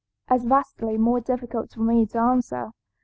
as vastly more difficult for me to answer.